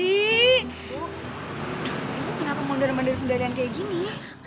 ibu ibu kenapa mendorong dorong sendalian kayak gini